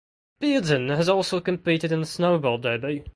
Bearden has also competed in the Snowball Derby.